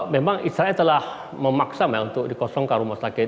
memang israel telah memaksa untuk dikosong ke rumah sakit